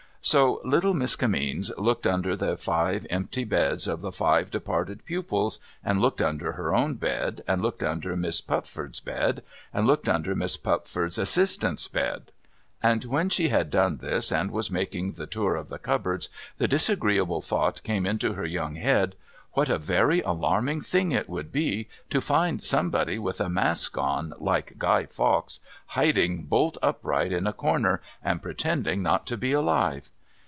So, little Miss Kinimeens looked under the five empty beds of the five departed pupils, and looked under her own bed, and looked under Miss Pupford's bed, and looked under Miss Pupford's assistant's bed. And when she had done this, and was making the tour of the cupboards, the disagreeable thought came into her young head, AVhat a very alarming thing it would be to find somebody with a mask on, like Guy Fawkes, hiding bolt upright in a corner and pretending not to be alive